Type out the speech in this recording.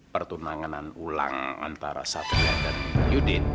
pertunanganan ulang antara satria dan yudin